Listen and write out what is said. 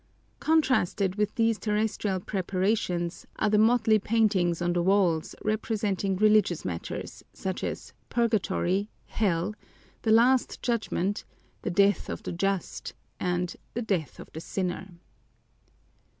Contrasted with these terrestrial preparations are the motley paintings on the walls representing religious matters, such as "Purgatory," "Hell," "The Last Judgment," "The Death of the Just," and "The Death of the Sinner."